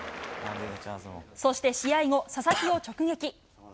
そして試合後、佐々木を直撃。